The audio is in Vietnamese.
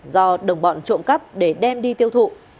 do đồng bọn trộm cắp để đem đi tiêu thụ